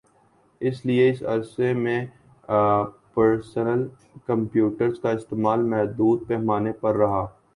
اس لئے اس عرصے میں پرسنل کمپیوٹر کا استعمال محدود پیمانے پر رہا